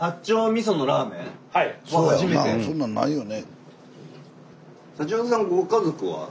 そんなんないよね。